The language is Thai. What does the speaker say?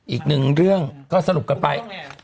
อีกหนึ่งเรื่องก็สรุปกันไป